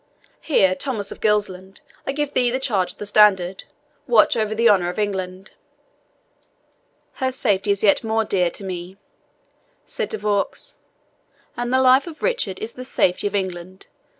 Here, Thomas of Gilsland, I give thee the charge of the standard watch over the honour of England." "Her safety is yet more dear to me," said De Vaux, "and the life of Richard is the safety of England.